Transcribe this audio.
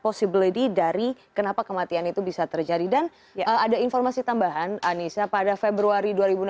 possibility dari kenapa kematian itu bisa terjadi dan ada informasi tambahan anissa pada februari